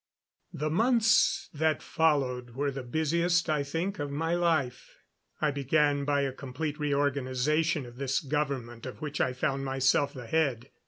The months that followed were the busiest, I think, of my life. I began by a complete reorganization of this government of which I found myself the head.